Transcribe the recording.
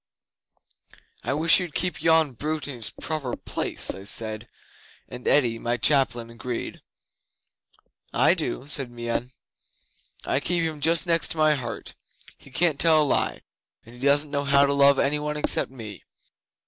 '"I wish you'd keep yon brute in its proper place," I said, and Eddi, my chaplain, agreed. '"I do," said Meon. "I keep him just next my heart. He can't tell a lie, and he doesn't know how to love any one except me.